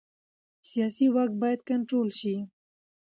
سیاسي واک باید کنټرول شي